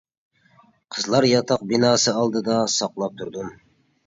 قىزلار ياتاق بىناسى ئالدىدا ساقلاپ تۇردۇم.